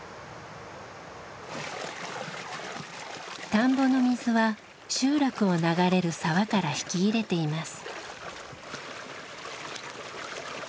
田んぼの水は集落を流れる沢から引き入れています。